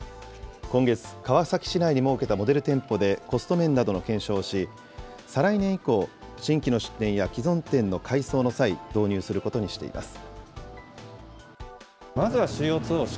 今月、川崎市内に設けたモデル店舗でコスト面などの検証をし、再来年以降、新規の出店や既存店の改装の際、導入することにしています。